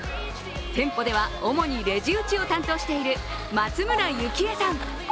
店舗では主にレジ打ちを担当している松村幸栄さん